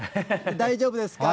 大丈夫ですか？